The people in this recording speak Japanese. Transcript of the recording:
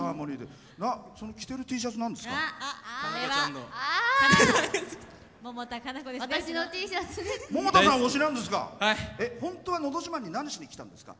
着ているＴシャツはなんですか？